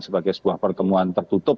sebagai sebuah pertemuan tertutup